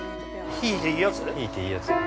◆弾いていいやつ。